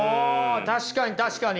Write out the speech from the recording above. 確かに確かに。